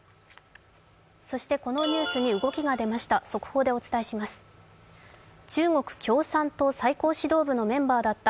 そしてこのニュースに動きが出ました。